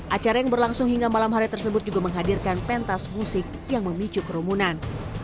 acara yang berlangsung hingga malam hari tersebut juga menghadirkan pentas musik yang memicu kerumunan